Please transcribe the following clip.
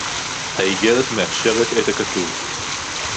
הָאִגֶּרֶת מְאַשֶּׁרֶת אֶת הַכָּתוּב